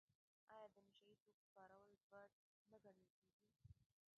آیا د نشه یي توکو کارول بد نه ګڼل کیږي؟